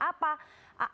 apa yang akan terjadi